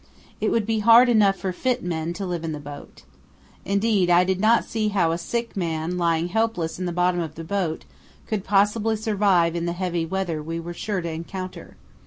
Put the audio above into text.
It would be hard enough for fit men to live in the boat. Indeed, I did not see how a sick man, lying helpless in the bottom of the boat, could possibly survive in the heavy weather we were sure to encounter.